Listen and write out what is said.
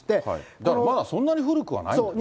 だからまだそんなに古くはないんですね。